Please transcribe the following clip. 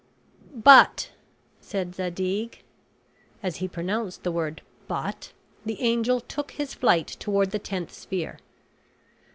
"But," said Zadig as he pronounced the word "But," the angel took his flight toward the tenth sphere.